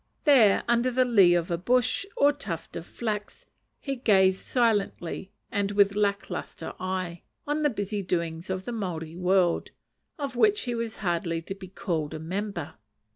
There, under the "lee" of a bush, or tuft of flax, he gazed silently, and with "lacklustre eye," on the busy doings of the Maori world, of which he was hardly to be called a member.